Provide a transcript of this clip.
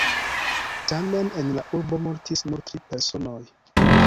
Tamen en la urbo mortis nur tri personoj.